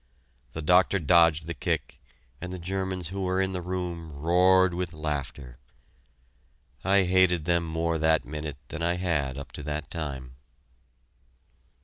The doctor dodged the kick, and the Germans who were in the room roared with laughter. I hated them more that minute than I had up to that time.